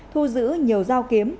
thu giữ nhiều giao kiếm